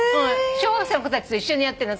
小学生の子たちと一緒にやってるの。